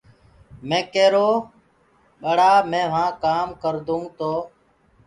مي ڪيرو ٻڙآ مي وهآنٚ ڪآم ڪردونٚ تو